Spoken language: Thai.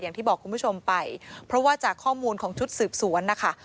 อย่างที่บอกคุณผู้ชมไปเพราะว่าจากข้อมูลของชุดสืบสวนนะคะ